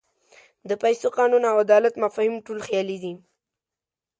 د پیسو، قانون او عدالت مفاهیم ټول خیالي دي.